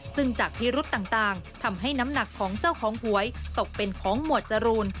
ซึ่งจากพิรุษต่างทำให้น้ำหนักของเจ้าของหวยตกเป็นของหมวดจรูน